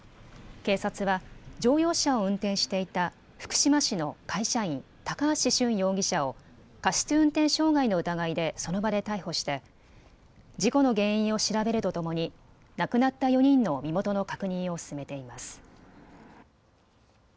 警察は乗用車を運転していた福島市の会社員、高橋俊容疑者を過失運転傷害の疑いでその場で逮捕して事故の原因を調べるとともに亡くなった４人の身元の確認を進めています。